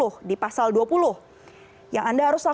yang anda harus lakukan setelah menjalani tes dan swab positif